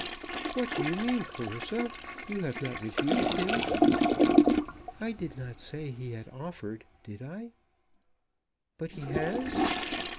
"What do you mean, Clarissa? You have not refused him?" "I did not say he had offered; did I?" "But he has?"